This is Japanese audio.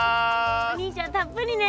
お兄ちゃんたっぷりね。